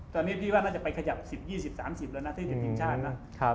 ตอนนี้พี่ว่าน่าจะไปขยับ๑๐๒๐๓๐แล้วนะที่ติดทีมชาตินะ